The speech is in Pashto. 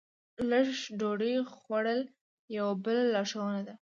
لږه ډوډۍ خوړل یوه بله لارښوونه ده.